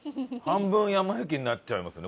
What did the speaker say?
半分やま幸になっちゃいますよね